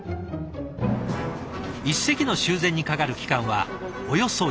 一隻の修繕にかかる期間はおよそ１か月。